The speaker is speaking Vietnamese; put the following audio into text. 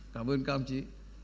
cảm ơn các đồng chí